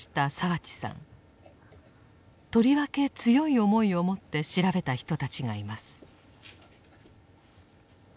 とりわけ強い思いをもって調べた人たちがいます。